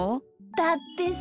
だってさ